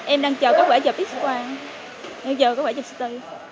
em đang chờ có quả chập x quang em chờ có quả chập x tay